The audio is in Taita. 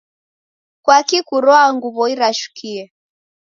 Kwaki kurwaa nguw'o irashukie?